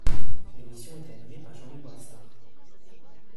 L'émission est animée par Jean-Luc Brassard.